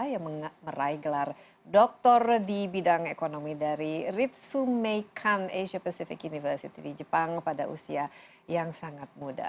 yang meraih gelar doktor di bidang ekonomi dari ritsumeikan asia pacific university di jepang pada usia yang sangat muda